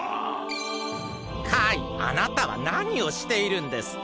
カイあなたはなにをしているんですか？